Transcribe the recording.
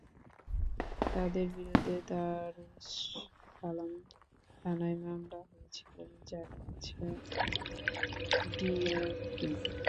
তাঁদের বিরুদ্ধে দারুস সালাম থানায় মামলা হয়েছে বলে জানিয়েছে ডিএমপি।